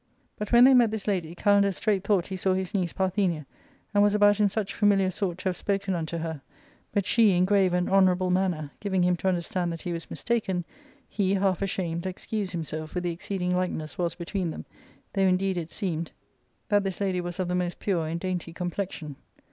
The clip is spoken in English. \But when 42 ARCADIA.—Book L they met this lady, Kalander straight thought he saw his niece Parthenia, and was about in such familiar sort to have spoken unto her ; but she, in grave and honourable manner, giving him to understand that he was mistaken, he, half ashamed, excused himself with the exceeding likeness was between them, though, indeed, it seemed that this lady was of the morepnre and dainty complexion.